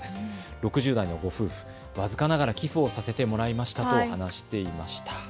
６０代のご夫婦、僅かながら寄付をさせてもらいましたと話していました。